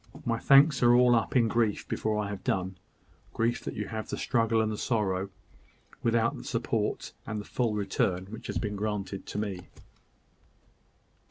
My thanks are all up in grief before I have done grief that you have the struggle and the sorrow, without the support and the full return which have been granted to me."